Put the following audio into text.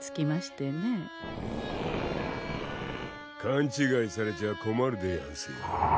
かんちがいされちゃ困るでやんすよ。